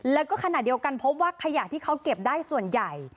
แล้วก็ขณะเดียวกันพบว่าขยะที่เขาเก็บได้ส่วนใหญ่